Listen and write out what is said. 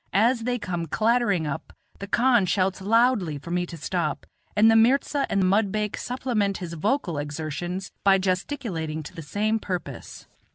As they come clattering up, the khan shouts loudly for me to stop, and the mirza and mudbake supplement his vocal exertions by gesticulating to the same purpose.